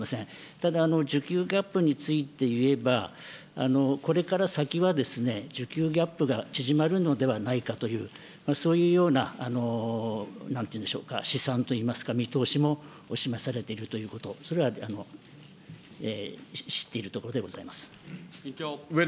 ただ、需給ギャップについていえば、これから先は需給ギャップが縮まるのではないかという、そういうようななんて言うんでしょうか、試算というんでしょうか、見通しも示されているということ、それは知っているところでございます。